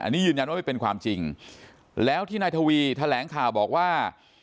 อันนี้ยืนยันว่าไม่เป็นความจริงแล้วที่นายทวีแถลงข่าวบอกว่า